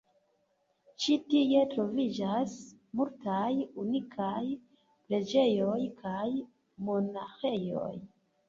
Ĉi tie troviĝas multaj unikaj preĝejoj kaj monaĥejoj.